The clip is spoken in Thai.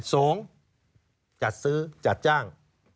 สองจัดซื้อจัดจ้าง